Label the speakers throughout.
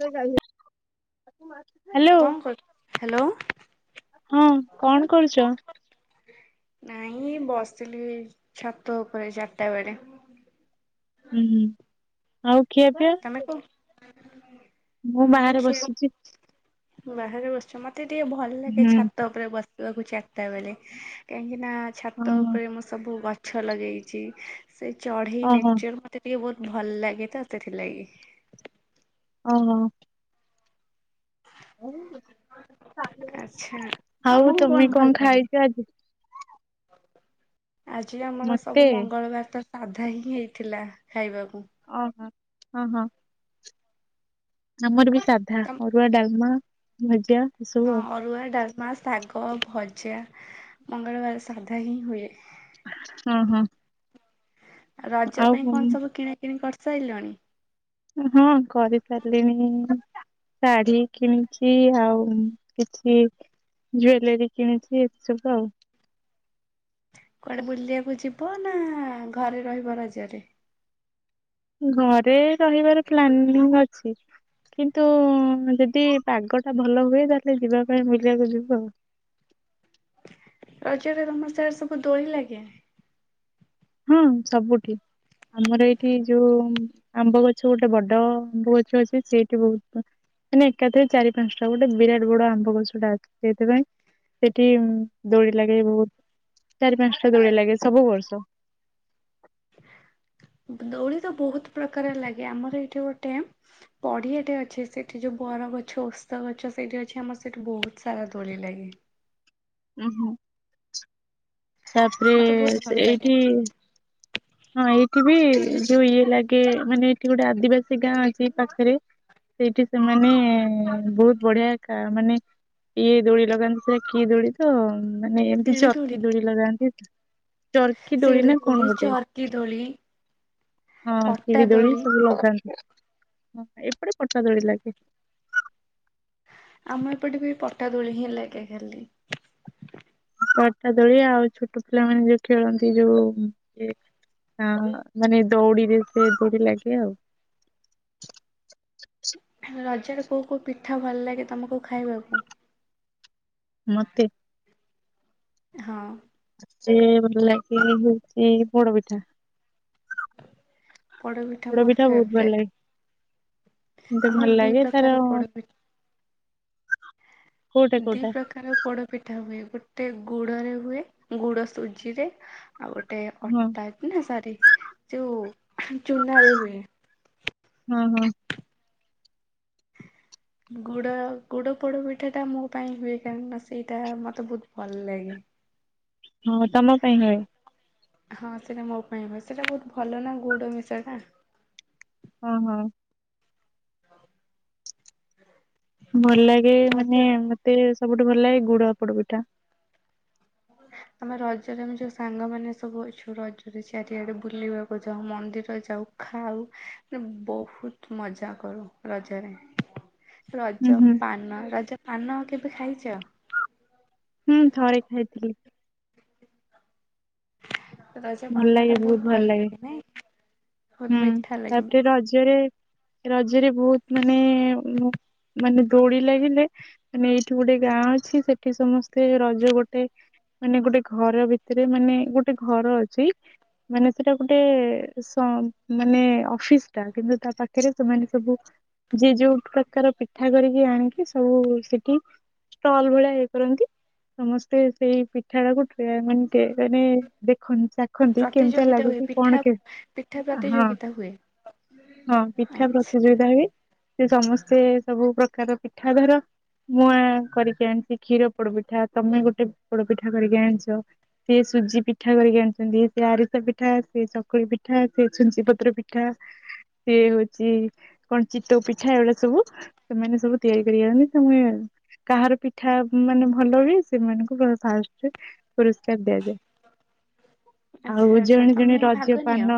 Speaker 1: [unintelligible] Hello
Speaker 2: କଣ କରୁ hello.
Speaker 1: ହଁ କଣ କରୁଛ?
Speaker 2: ନାଇଁ ବସ୍ ଥିଲି ଛାତ ଉପରେ ଚାର୍ ଟା ବେଳେ।
Speaker 1: ହୁଁ ହୁଁ ଆଉ ଖିଆ ପିଆ?
Speaker 2: [unintelligible]
Speaker 1: ମୁଁ
Speaker 2: ହଁ
Speaker 1: ବାହାରେ
Speaker 2: ଖିଆ
Speaker 1: ବସିଛି
Speaker 2: [unintelligible] ବାହାରେ ବସଛ ମୋତେ ଟିଏ ଭଲ୍ ଲାଗେ
Speaker 1: ହୁଁ
Speaker 2: ଛାତ ଉ ପରେ ବସିବାକୁ ଚାରିଟା ବେଳେ, କାହିଁକିନା ଛାତ
Speaker 1: ଓହୋ
Speaker 2: ଉପରେ ମୁଁ ସବୁ ଗ ଛ ଲଗେଇଛି ସେ ଚଢେଇ
Speaker 1: ଓହୋ
Speaker 2: ନେଚର୍ ମତେ ଟିକେ ବହୁତ୍ ଭଲ୍ ଲାଗେ ତ ସେଥିଲାଗି।
Speaker 1: ଓ ହୋ।
Speaker 2: ଆଛା
Speaker 1: ଆଉ
Speaker 2: ତମକୁ
Speaker 1: ତମେ
Speaker 2: କଣ ଭଲ ଲାଗେ?
Speaker 1: ଖାଇଛ ଆଜି
Speaker 2: ଆଜି ଆମର
Speaker 1: ମତେ
Speaker 2: ସବୁ ମଙ୍ଗଳବାର ତ ସାଧା ହିଁ ହେଇଥିଲା ଖାଇବାକୁ।
Speaker 1: ଓହୋ ହଁ ହଁ। ଆମର ବି ସାଧା
Speaker 2: ତମ
Speaker 1: ଅରୁଆ ଡାଲମା ଭଜା। ଏସବୁ
Speaker 2: ହଁ
Speaker 1: ଆଉ
Speaker 2: ଅରୁଆ ଡାଲମା ଶାଗ ଭଜା ମଙ୍ଗଳବାର ସାଧା ହିଁ ହୁଏ।
Speaker 1: ହଁ ହଁ।
Speaker 2: ଆଉ ରଜ ପାଇଁ କଣ
Speaker 1: ଆଉ
Speaker 2: ସବୁ କିଣା କିିଣି କରିସାରିଲଣି?
Speaker 1: ହଁ କରିସାରିଲିଣି। ଶାଢୀ କିଣିଛି ଆଉ କିଛି ଜୁଏଲାରୀ କିଣିଚି ଏ ସବୁ ଆଉ।
Speaker 2: କୁଆଡ଼େ ବୁଲିବାକୁ ଯିବ ନା ଘରେ ରହିବ ରାଜ୍ୟରେ?
Speaker 1: ଘରେ ରହିବାର ପ୍ଲାନିଂ ଅଛି। କିନ୍ତୁ ଯଦି ପାଗଟା ଭଲ ହୁଏ ତାହେଲେ ଯିବା ପାଇଁ ବୁଲିବାକୁ ଯିବୁ ଆଉ।
Speaker 2: ରଜରେ ତମର ସିଆଡେ ସବୁ ଦୋଳି ଲାଗେ?
Speaker 1: ହଁ ସବୁଠି। ଆମର ଏଇଠି ଯୋଉ ଆମ୍ବ ଗଛ ଗୋଟେ ବଡ଼ ଆମ୍ବ ଗଛ ଅଛି ସେଇଠି ବହୁତ ମାନେ ଏକାଥରେ ଚାରି ପାଞ୍ଚଟା ଗୋଟେ ବିରାଟ ବଡ଼ ଆମ୍ବ ଗଛଟା ଅଛି ସେଇଥିପାଇଁ। ସେଠି ଦୋଳି ଲାଗେ ବହୁତ ଚାରି ପାଞ୍ଚଟା ଦୋଳି ଲାଗେ ସବୁ ବର୍ଷ।
Speaker 2: ଦୋଳି ତ ବହୁତ ପ୍ରକାର ଲାଗେ ଆମର ଏଇଠି ଗୋଟେ ବଢିଆଟେ ଅଛି ସେଠି ଯୋଉ ବର ଗଛ ଓସ୍ତ ଗଛ ସେଇଠି ଅଛି ଆମର ସେଠି ବହୁତ ସାରା ଦୋଳି ଲାଗେ।
Speaker 1: ଉଁ ହୁଁ। ତାପରେ
Speaker 2: ମତେ ବହୁତ ଭଲ ଲାଗେ
Speaker 1: ଏଇଠି ହଁ ଏଇଠି ବି ଯୋଉ ଇଏ ଲାଗେ ମାନେ ଏଇଠି ଗୋଟେ ଆଦିବାସୀ ଗାଁ ଅଛି ଏ ପାଖରେ ସେଇଠି ସେମାନେ ବହୁତ ବଢିଆ ମାନେ ଇଏ ଦୋଳି ଲଗାନ୍ତି କିଏ ଦୋଡି ତ ମାନେ ଏମିତି
Speaker 2: ଶିଢି
Speaker 1: ଚକି ଦୋଳି ଲଗାନ୍ତି। ଚର୍କି ନା
Speaker 2: ସିଡି
Speaker 1: କଣ
Speaker 2: ଦୋଳି
Speaker 1: ଗୋଟେ
Speaker 2: ଚାରକି ଦୋଳି।
Speaker 1: ହଁ ଖିଳି ଦୋଳି ସବୁ ଲଗାନ୍ତି ଏପଟେ ପଟା ଦୋଳି ଲାଗେ।
Speaker 2: ଆମ ଏପଟେ ବି ପଟା ଦୋଳି ହିଁ ଲାଗେ ଖାଲି।
Speaker 1: ପଟା ଦୋଳି ଆଉ ଛୋଟ ପିଲାମାନେ ଯୋଉ ଖେଳନ୍ତି ଯୋଉ ଇଏ ହଁ ମାନେ ଦୋଉଡିରେ ସେ ଡୋରି ଲାଗେ ଆଉ।
Speaker 2: ରଜରେ କୋଉ କୋଉ ପିଠା ଭଲ ଲାଗେ ତମକୁ ଖାଇବାକୁ?
Speaker 1: ମତେ।
Speaker 2: ହଁ।
Speaker 1: ସେ ମତେ ଲାଗେ ହୋଉଚି ପୋଡ ପିଠା।
Speaker 2: ପୋଡ଼ପିଠା
Speaker 1: ପୋଡ
Speaker 2: ମୋର
Speaker 1: ପିଠା ବହୁତ ଭଲ ଲାଗେ।
Speaker 2: ଫେବରାଇଟ୍।
Speaker 1: ମତେ ଭଲ
Speaker 2: ଆମର ଦିଇ
Speaker 1: ଲାଗେ ତାର
Speaker 2: ପ୍ରକାର ପୋଡ଼ପି
Speaker 1: କୋଉଟା
Speaker 2: ଦି
Speaker 1: କୋଉଟା
Speaker 2: ପ୍ରକାର ପୋଡ ପିଠା ହୁଏ ଗୋଟେ ଗୁଡରେ ହୁଏ ଗୁଡ ସୁଜିରେ ଆଉ ଗୋଟେ
Speaker 1: ହଁ
Speaker 2: ଅଟା ନା ସରି ଯୋଉ ଚୂନାରେ ହୁଏ।
Speaker 1: ହଁ ହଁ।
Speaker 2: ଗୁଡ ଗୋଡ ପୋଡ ପିଠା ଟା ମୋ ପାଇଁ ହୁଏ କାହିଁକି ନା ସେଇଟା ମତେ ବହୁତ ଭଲ ଲାଗେ।
Speaker 1: ହଁ ତମ ପାଇଁ ହୁଏ।
Speaker 2: ହଁ ସେଇଟା ମୋ ପାଇଁ ହୁଏ ସେଇଟା ବହୁତ ଭଲ ନା ଗୁଡ ମିଶାଟା।
Speaker 1: ହଁ ହଁ। ଭଲ ଲାଗେ ମାନେ
Speaker 2: ରଜ
Speaker 1: ମତେ ସବୁଠୁ ଭଲ ଲାଗେ ଗୁଡ ପୋଡ଼ ପିଠା।
Speaker 2: ଆମେ ରଜରେ ଆମେ ଯୋଉ ସାଙ୍ଗମାନେ ସବୁ ଅଛୁ, ରଜରେ ଚାରିଆଡେ ବୁଲିବାକୁ ଯାଉ, ମନ୍ଦିର ଯାଉ। ଖାଉ, ବହୁତ ମଜା କରୁ ରଜରେ।
Speaker 1: ହୁଁ
Speaker 2: ରଜ
Speaker 1: ହୁଁ
Speaker 2: ପାନ, ରଜ ପାନ କେବେ ଖାଇଛ?
Speaker 1: ହୁଁ, ଥରେ ଖାଇଥିଲି।
Speaker 2: ରଜ ପାନ ଟା ବହୁତ ଭଲ ଲାଗେ ନାଇଁ! ବହୁତ
Speaker 1: ହୁଁ,
Speaker 2: ମିଠା ଲାଗେ।
Speaker 1: ତା'ପରେ ରଜରେ ରଜରେ, ବହୁତ ମାନେ-ଏଁ, ମାନେ ଦୋଳି ଲାଗିଲେ ମାନେ ଏଇଠି ଗୋଟେ ଗାଁ ଅଛି, ସେଠି ସମସ୍ତେ ରଜ ଗୋଟେ ମାନେ ଗୋଟେ ଘର ଭିତରେ, ମାନେ ଗୋଟେ ଘର ଅଛି। ମାନେ ସେଟା ଗୋଟେ ସ ମାନେ ଅଫିସଟା, କିନ୍ତୁ ତା ପାଖରେ ସେମାନେ ସବୁ ଯିଏ ଯୋଉ ପ୍ରକାର ପିଠା କରିକି ଆଣିକି, ସବୁ-ଉ ସେଠି ଷ୍ଟଲ୍ ଭଳିଆ ଇଏ କରନ୍ତି। ସମସ୍ତେ ସେଇ ପିଠାଟାକୁ ଟେ ମାନେ କେ ମାନେ ଦେଖନ୍ ଖନ୍ତି, କେମିତିଆ
Speaker 2: ପ୍ରତିଯୋଗିତା ହୁଏ
Speaker 1: ଲାଗୁଛି?
Speaker 2: ପିଠା
Speaker 1: କଣ କେ!
Speaker 2: ପିଠା
Speaker 1: ହଁ।
Speaker 2: ପ୍ରତିଯୋଗିତା ହୁଏ
Speaker 1: ହଁ, ପିଠା
Speaker 2: ଆଚ୍ଛା।
Speaker 1: ପ୍ରତିଯୋଗିତା ହୁଏ, ସେ ସମସ୍ତେ ସବୁ ପ୍ରକାର ପିଠା ଧର ମୁଁ, କରିକି ଆଣିଛି କ୍ଷୀର ପୋଡପିଠା। ତମେ ଗୋଟେ ପୋଡପିଠା କରିକି ଆଣିଚ। ସିଏ ସୁଜି ପିଠା କରିକି ଆଣ୍ ଯେ ଆରିସା ପିଠା, ସେ ଚକୁଳି ପିଠା, ସେ ଛୁଞ୍ଚି ପତ୍ର ପିଠା, ସିଏ ହଉଛି, କଣ ଚିତ୍ଉ ପିଠା ଏଇଗୁଡା ସବୁ ସେମାନେ ସବୁ ତିଆରି କରିକି ଆଣନ୍ତି, ତୁମେ କାହାର ପିଠା ମାନେ ଭଲ ହୁଏ? ସେମାନଙ୍କୁ ଫାଷ୍ଟରେ ପୁରସ୍କାର ଦିଆଯାଏ।
Speaker 2: ଆଚ୍ଛା
Speaker 1: ଆଉ
Speaker 2: ଆଚ୍ଛା
Speaker 1: ଜଣେ ଜଣେ
Speaker 2: ତମେ ଭାଗ
Speaker 1: ରଜ
Speaker 2: ନିଅ
Speaker 1: ପାନ।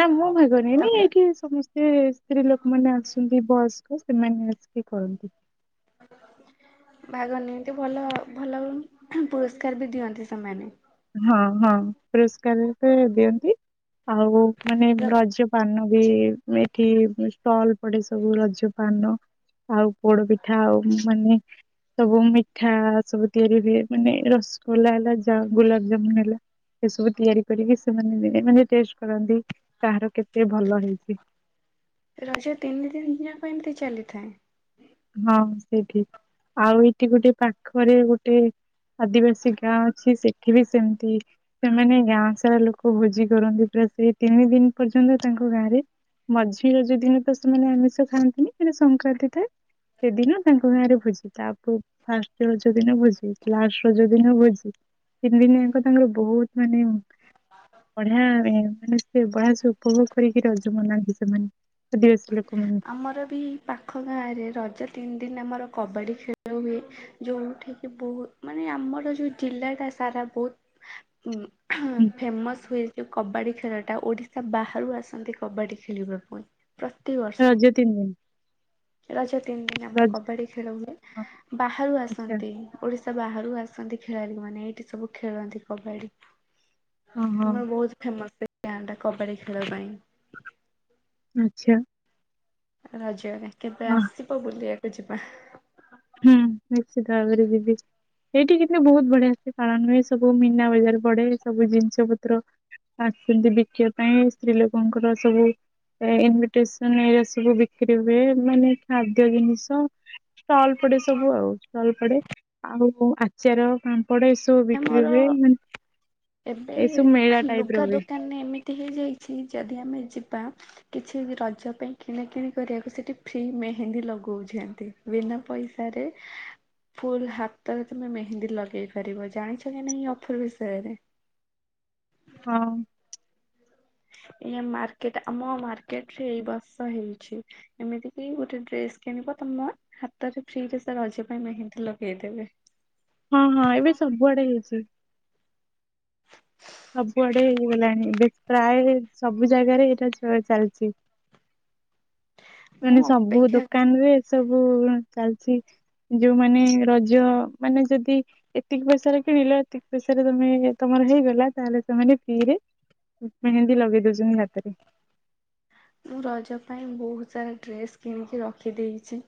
Speaker 1: ନା, ମୁଁ ଭାଗ ନିଏନି
Speaker 2: ତମେ
Speaker 1: ଏଇଠି ସମସ୍ତ ସେ ସ୍ତ୍ରୀ ଲୋକମାନେ ଆସନ୍ତି ବୟସ୍କ, ସେମାନେ ଆସିକି କରନ୍ତି।
Speaker 2: ଭାଗ ନିଅନ୍ତି, ଭଲ ଭଲ ପୁରସ୍କାର ବି ଦିଅନ୍ତି ସେମାନେ।
Speaker 1: ହଁ, ହଁ, ପୁରସ୍କାର ସେ ଦିଅନ୍ତି। ଆଉ ମାନେ
Speaker 2: ର
Speaker 1: ରଜ ପାନ ବି ଏଠି ଷ୍ଟଲ୍ ପଡେ, ସବୁ ରଜ ପାନ। ଆଉ ପୋଡ ପିଠା, ଆଉ ମାନେ ସବୁ ମିଠା ସବୁ ତିଆରି ହୁଏ ମାନେ, ରସଗୋଲା ହେଲା, ଯା, ଗୋଲାପ ଜାମୁନ୍ ହେଲା ଏ ସବୁ ତିଆରି କରିକି ସେମାନେ ମାନେ ଟେଷ୍ଟ କରନ୍ତି, କାହାର କେତେ ଭଲ ହେଇଛି?
Speaker 2: ରଜ ତିନି ଦିନ ଯାଁକ ଏମିତି ଚାଲିଥାଏ?
Speaker 1: ହଁ, ସେଇଠି। ଆଉ, ଏଇଠି ଗୋଟେ ପାଖରେ ଗୋଟେ ଆଦିବାସୀ ଗାଁ, ଅଛି ସେଠି ବି ସେମିତି ସେମାନେ ଗାଁ ସାରା ଲୋକ ଭୋଜି କରନ୍ତି, ପୁରା ସେଇ ତିନି ଦିନ ପର୍ଯ୍ୟନ୍ତ, ତାଙ୍କ ଗାଁ ରେ ମଝିରେ ଯଉଦିନ ତ ସେମାନେ ଆମିଷ ଖାଆନ୍ତିନି। ସେଟା ସଂକ୍ରାନ୍ତି ଥାଏ। ସେଦିନ ତାଙ୍କ ଗାଁ ରେ ଭୋଜି ତା 'ପୁର୍ ଫାର୍ଷ୍ଟ ରଜ ଦିନ ଭୋଜି, ଲାଷ୍ଟ ରଜ ଦିନ ଭୋଜିି। ତିନିଦିନ ଆଙ୍କ, ତାଙ୍କର ବହୁତ ମାନେ ବଢିଆରେ! ମାନେ ସେ ବଢିଆ ସେ ଉପଭୋଗ କରିକି ରଜ ମନାନ୍ତି ସେମାନେ। ଆଦିବାସୀ ଲୋକ ମାନେ।
Speaker 2: ଆମର ବି ପାଖ ଗାଁରେ ରଜ ତିନି ଦିନ ଆମର କବାଡ଼ି ଖେଳ ହୁଏ। ଯୋଉଠି କିି ବହୁତ ମାନେ ଆମର ଯୋଉ ଜିଲ୍ଲାଟା ସାରା ବହୁତ ଉଁ
Speaker 1: ହୁଁ,
Speaker 2: ଫେମସ୍ ହୁଏ ଚୁ କବାଡି ଖେଳଟା ଓଡିଶା ବାହାରୁ ଆସନ୍ତି, କବାଡି ଖେଳିବା ପାଇଁ, ପ୍ରତିିବ
Speaker 1: ରଜ ତିିନି ଦିନି।
Speaker 2: ରଜ ତିନି ଦିନ ଆମର କବାଡି ଖେଳ ହୁଏ।
Speaker 1: ହଁ,
Speaker 2: ବାହାରୁ
Speaker 1: ଆଚ୍ଛା
Speaker 2: ଆସନ୍ତି ଓଡିଶା ବାହାରୁ ଆସନ୍ତି ଖେଳାଳି ମାନେ ଏଇଠି ସବୁ ଖେଳନ୍ତି କବାଡି।
Speaker 1: ଓହୋ
Speaker 2: ଆମର ବହୁତ ଫେମସ୍ ସେ ଗାଁ ଟା କବାଡି ଖେଳ ପାଇଁ।
Speaker 1: ଆଛା।
Speaker 2: ରଜରେ କେବେ
Speaker 1: ହଁ,
Speaker 2: ଆସିବ ବୁଲିବାକୁ ଯିବା।
Speaker 1: ହୁଁ ନିଶ୍ଚିତ ଭାବରେ ଯିବି। ଏଇଠି କେତେ ବହୁତ ବଢିଆ ସେ ପାଳନ ହୁଏ ସବୁ ମିନା ବଜାର ବଡେ ସବୁ ଜିନିଷ ପତ୍ର ଆସିଚନ୍ତି ବିକିବା ପାଇଁ ସ୍ତ୍ରୀ ଲୋକଙ୍କର ସବୁ ଏ ଇମିଟେସନ ଏଇରା ସବୁ ବିକ୍ରି ହୁଏ ମାନେ ଖାଦ୍ୟ ଜିନିଷ ଷ୍ଟଲ୍ ପଡେ ସବୁ ଆଉ ଷ୍ଟଲ୍ ପଡେ ଆଉ ଆଚାର ପାମ୍ପଡ ଏ ସବୁ ସବୁ ବିକ୍ର ହୁଏ
Speaker 2: ଆମର
Speaker 1: ମାନେ ଏସବୁ ମେଳା ଟାଇପ୍ ର ହୁଏ।
Speaker 2: ମାନେ ଏମିତି ହେଇଯାଇଚି ଯଦି ଆମେ ଯିବା କିଛି ରଜ ପାଇଁ କିଣାକିଣି କରିବାକୁ ସେଠି ଫ୍ରି ମେହେନ୍ଦୀ ଲଗଉଛନ୍ତି। ବିନା ପଇସାରେ ଫୁଲ ହାତରେ ତମେ ମେହେନ୍ଦୀ ଲଗେଇ ପାରିବ। ଜାଣିଚ କି ନାଇଁ ଅଫର ବିଷୟରେ?
Speaker 1: ହଁ।
Speaker 2: ଏଇ ମାର୍କେଟ ଆମ ମାର୍କେଟ ରେ ଏଇ ବର୍ଷ ହେଇଚି। ଏମିତି କି ଗୋଟେ ଡ୍ରେସ କିଣିବ ତମ ହାତରେ ଫ୍ରି ରେ ସେ ରଜ ପାଇଁ ମେହେନ୍ଦୀ ଲଗେଇଦେବେ।
Speaker 1: ହଁ ହଁ ଏବେ ସବୁଆଡେ ହେଇଚି। ସବୁଆଡେ ହେଇଗଲାଣି ବେଶ ପ୍ରାୟ ସବୁ ଜାଗାରେ ଏଇଟା ଚ ଚାଲିଚି।
Speaker 2: ମୁଁ
Speaker 1: ମାନେ ସବୁ
Speaker 2: ଅପେକ୍ଷା
Speaker 1: ଦୋକାନ ରେ ଏ ସବୁ ଚାଲିଚି। ଯୋଉମାନେ ରଜ ମାନେ ଯଦି ଏତିକି ପଇସାରେ କିଣିଲ ଏତିକି ପଇସାରେ ତମେ ତମର ହେଇଗଲା। ତାହେଲେ ସେମାନେ ଫ୍ରିରେ ମେହେନ୍ଦୀ ଲଗେଇ ଦଉଛନ୍ତି ହାତରେ।
Speaker 2: ମୁଁ ରଜ ପାଇଁ ବହୁତ ସାରା ଡ୍ରେସ୍ କିଣିକି ରଖିଦେଇଚି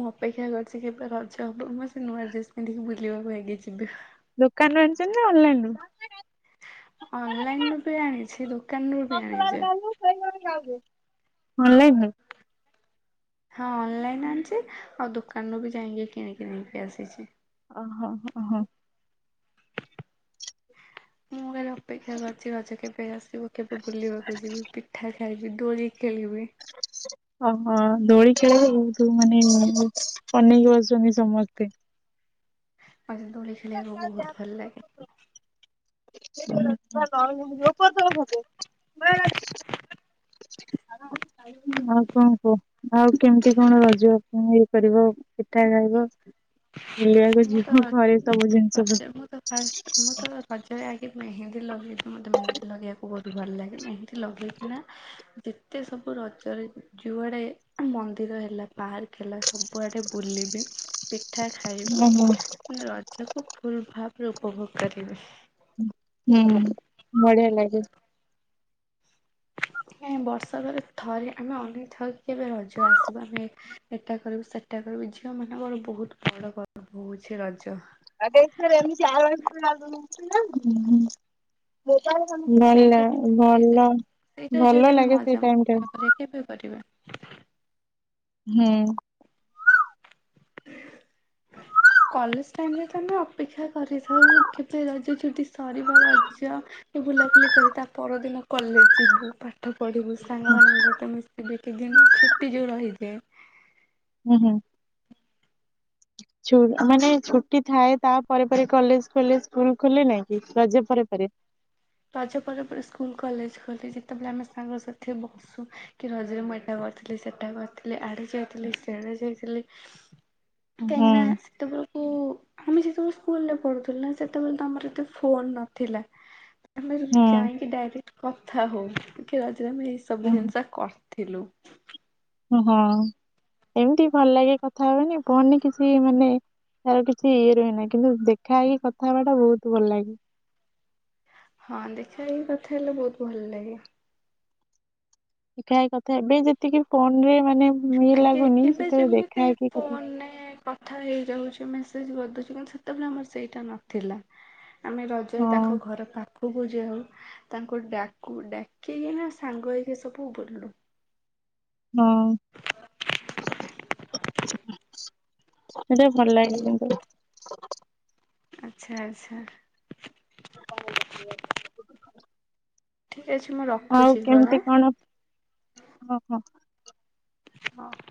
Speaker 2: ମୋ ଅପେକ୍ଷା କରିଚିକେବେ ରଜ ହବ ମୁଁ ସେ ନୂଆ ଡ୍ରେସ୍ ପିନ୍ଧିକି ବୁଲିବାକୁ ଆଗେ ଯିବି।
Speaker 1: ଦୋକାନ ରୁ ଆଣିଚନ୍ତି ନା ଅନଲାଇନ ରୁ?
Speaker 2: ଅନଲାଇନରୁୁ ବି ଆଣିଛି ଦୋକାନରୁୁ ବି ଆଣିଛେ।
Speaker 1: ଅନଲାଇନ ରୁ
Speaker 2: ହଁ ଅନଲାଇନ ଆଣିଚି ଆଉ ଦୋକାନରୁୁ ବି ଯାଇକି କିଣିକି ନେଇକି ଆସିଛି।
Speaker 1: ଓ ହୋ ହ ହଁ।
Speaker 2: ମୁଁ ଖାଲି ଅପେକ୍ଷା କରିଚି ରଜ କେବେ ଆସିବ କେବେ ବୁଲିବାକୁ ଯିବି ପିଠା ଖା ଖାଇବି ଦୋଳି ଖେଳିବି
Speaker 1: ହ [inaudible] ଓହ ଦୋଳି ଖେଳ [unintelligible] ମାନେ ଅନେଇକି ବସଚନ୍ତି ସମସ୍ତେ।
Speaker 2: ମୋତେ ଦୋଳି ଖେଳିଆକୁ ବହୁତ ଭଲ ଲାଗେ।
Speaker 1: [inaudible] ଆଉ କଣ କୁହ। ଆଉ କେମିତି କଣ ରଜ ଇଏ କରିବ ପିଠା ଖାଇବ? ବୁଲିବାକୁ
Speaker 2: ମୁଁ
Speaker 1: ଯିବ
Speaker 2: ତ
Speaker 1: ଘରେ ସବୁ
Speaker 2: ରଜ ମୁଁ ତ ଫାଷ୍ଟ ମୁଁ ତ
Speaker 1: ଜିନିଷ
Speaker 2: ରଜରେ ଆଗେ ମେହେନ୍ଦୀ ଲଗେଇବ ମୋତେ ମେହେନ୍ଦୀ ଲଗେଇବାକୁ ବହୁତ ଭଲ ଲାଗେ ମେହେନ୍ଦୀ ଲଗେଇକିନା ଯେତେ ସବୁ ରଜରେ ଜୁଆଡ଼େ ମନ୍ଦିର ହେଲା ପାର୍କ ହେଲା ସବୁଆଡ଼େ ବୁଲିବି ପିଠା
Speaker 1: ପତ୍ର।
Speaker 2: ଖାଇବି
Speaker 1: ଓହୋ
Speaker 2: ରଜକୁ ଫୁଲ ଭାବରେ ଉପଭୋଗ କରିବି।
Speaker 1: ଉଁ ହୁଁ ବଢିଆ ଲାଗେ। [inaudible]
Speaker 2: ହଁ ବର୍ଷକ ରେ ଥରେ ଆମେ ଅନେଇ ଥାଉ କେବେ ରଜ ଆସିବ ଆମେ ଏଇଟା କରିବୁ ସେ ଟା କରିବୁ ଝିଅ ମାନଙ୍କର ବହୁତ ବଡ଼ ପର୍ବ ହଉଛି ରଜ।
Speaker 1: [unintelligible] ଭଲ
Speaker 2: ସେଇଟାରେ ସେଇଟା
Speaker 1: ଭଲ
Speaker 2: ସେଇଟାରେ ଯଦି
Speaker 1: ଭଲ
Speaker 2: ଆମେ
Speaker 1: ଲାଗେ ସେଇ ଟାଇମ୍
Speaker 2: ମଜାମସ୍ତି
Speaker 1: ଟା।
Speaker 2: ନ କରିବା କେବେ କରିବ।
Speaker 1: ହୁଁ।
Speaker 2: [inaudible] କଲେଜ ଟାଇମରେ ତ ଆମେ ଅପେକ୍ଷା କରିଥାଉ କେବେ ରଜଛୁଟି ସରିବ ରଜ। ଏତେ ବୁଲାବୁଲି କରି ତା ପରଦିନ କଲେଜ ଯିବୁ ପା ପାଠ ପଢ଼ିବୁ ସାଙ୍ଗମାନଙ୍କ ସହିତ ମିଶିବୁ ଏତେ ଦିନ ଛୁଟି ଯୋଉ ରହିଯାଏ।
Speaker 1: ହୁଁ ହୁଁ। ଛୁ ମାନେ ଛୁଟି ଥାଏ ତା ପରେ ପରେ କଲେଜ ଖୋଲେ ସ୍କୁଲ ଖୋଲେ ନାଇଁକି ରଜ ପରେ ପରେ।
Speaker 2: ରଜ ପରେ ପରେ ସ୍କୁଲ କଲେଜ ଖୋଲେ ଯେତେବେଳେ ଆମେ ସାଙ୍ଗ ସାଥି ବ ସୁ କି ରଜରେ ମୁଁ ଏଇଟା କରିଥିଲି ସେଟା କରିଥିଲି ଆଡ଼େ ଯାଇଥିଲି ସିଆଡ଼େ ଯାଇଥିଲି।
Speaker 1: [inaudible]
Speaker 2: କାହିଁକି ନା ସେତେବେଳେ। ଓ ଆମେ ଯେତେବେଳେ ସ୍କୁଲରେ ପଢୁଥିଲୁ ନା ସେତେବେଳେ ତ ଆମର ଏତେ ଫୋନ ନଥିଲା। ଆମେ
Speaker 1: ହୁଁ
Speaker 2: ଯାଇଁକି ଡାଇରେକ୍ଟ କଥା ହଉ କି ରଜ ରେ ଆମେ ଏଇ ସବୁ ଜିନିଷ କ ଥିଲୁ।
Speaker 1: ହଁ ଏମିତି ଭଲ ଲାଗେ କଥା ହବାନା ଫୋନରେ କିଛି ମାନେ। ତାର କିଛି ଇଏ ରହେନା କିନ୍ତୁ ଦେଖା ହେଇକି କଥା ହବାଟା ବହୁତ ଭଲ ଲାଗେ।
Speaker 2: ହଁ ଦେଖା ହେଇ କଥା ହେଲେ ବହୁତ ଭଲ ଲାଗେ।
Speaker 1: ଦେଖା ହେଇ କଥା ଏବେ ଯେତିକି ଫୋନ ରେ ମାନେ। ଇଏ
Speaker 2: ଆଗେ
Speaker 1: ଲାଗୁନି
Speaker 2: ଏବେ
Speaker 1: ସେତେବେଳେ ଦେଖା
Speaker 2: ଯେମିତି
Speaker 1: ହେଇକି କଥା
Speaker 2: ଫୋନରେ କ କଥା ହେଇଯାଉଛୁ ମେସେଜ କରିଦଉଛୁ କିନ୍ତୁ ସେତେବେଳେ ଆମର ସେଇଟା ନଥିଲା। ଆମେ ରଜରେ
Speaker 1: ହଁ
Speaker 2: ତାଙ୍କ ଘର ପାଖକୁ ଯାଉ। ତାଙ୍କୁ ଡାକୁ ଡାକିକି ନା ସାଙ୍ଗ ହେଇକି ସବୁ ବୁଲୁ।
Speaker 1: ହଁ। ସେଟା ଭଲ ଲାଗେ କିନ୍ତୁ।
Speaker 2: ଆଛା ଆଚ୍ଛା। ଠିକ ଅଛି ମୁଁ
Speaker 1: ଆଉ
Speaker 2: ରଖୁଛି କଲ୍
Speaker 1: କେମିତି କଣ। ଓ ହୋ।
Speaker 2: ହଁ।